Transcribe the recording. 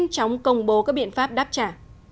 chóng công bố các biện pháp đáp trả